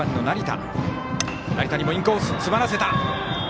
成田にもインコースを詰まらせた。